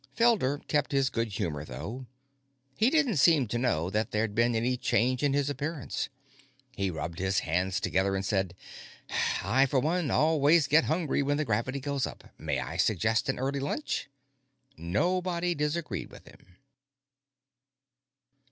Felder kept his good humor, though. He didn't seem to know that there'd been any change in his appearance. He rubbed his hands together and said: "I, for one, always get hungry when the gravity goes up. May I suggest an early lunch?" Nobody disagreed with him.